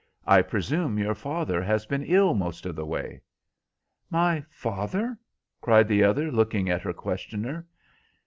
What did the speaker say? I presume your father has been ill most of the way?" "My father?" cried the other, looking at her questioner.